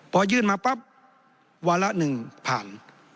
พอยื่นมาปั๊บวาระ๑ผ่าน